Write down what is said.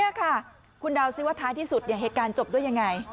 นี่ค่ะคุณเดาซิว่าท้ายที่สุดเหตุการณ์จบด้วยยังไง